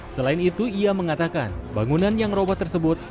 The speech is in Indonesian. selain itu ia mengatakan bangunan yang robot tersebut